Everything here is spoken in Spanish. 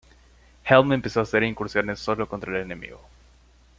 Helm empezó a hacer incursiones solo contra el enemigo.